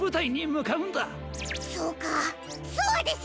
そうかそうです！